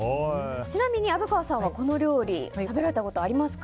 ちなみに虻川さんはこの料理食べられたことはありますか？